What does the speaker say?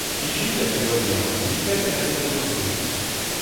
Ijinet e oa bet ar Minitel er savadur-se.